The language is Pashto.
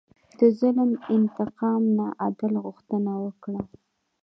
د ظلم انتقام نه، عدل غوښتنه وکړه.